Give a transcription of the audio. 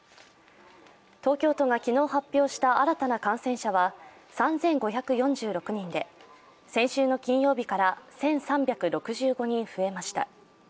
東京都が昨日発表した新たな感染者は３５４６人で先週の金曜日から１３６５人増えました。